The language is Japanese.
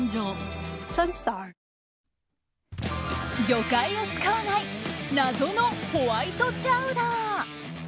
魚介を使わない謎のホワイトチャウダー。